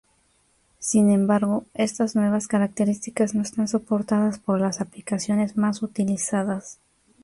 Sin embargo, estas nuevas características no están soportadas por las aplicaciones más utilizadas.